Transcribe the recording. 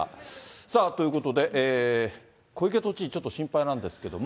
さあ、ということで、小池都知事、ちょっと心配なんですけれども。